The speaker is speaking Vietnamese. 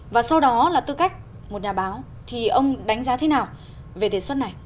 và sau đó là tư cách một nhà báo thì ông đánh giá thế nào về đề xuất này